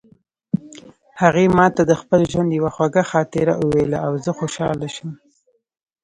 هغې ما ته د خپل ژوند یوه خوږه خاطره وویله او زه خوشحاله شوم